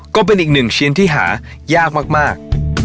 ก็เป็นอีกหนึ่งชิ้นที่หายากมาก